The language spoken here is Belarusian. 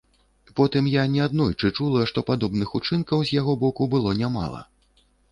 Потым я неаднойчы чула, што падобных учынкаў з яго боку было нямала.